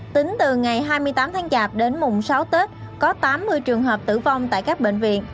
tính từ ngày hai mươi tám tháng chạp đến mùng sáu tết có tám mươi trường hợp tử vong tại các bệnh viện